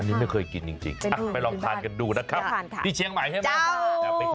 นี่ไม่เคยกินจริงไปลองทานกันดูนะครับที่เชียงใหม่ใช่ไหม